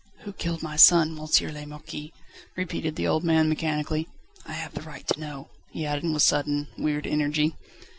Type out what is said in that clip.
"Who killed my son, M. le Marquis?" repeated the old man mechanically. "I have the right to know," he added with sudden, weird energy.